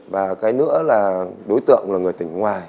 và cái nữa là đối tượng là người tỉnh ngoài